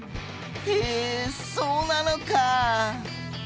へえそうなのか！